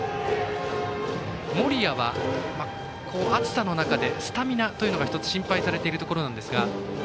森谷は暑さの中でスタミナというのが１つ、心配されていますが。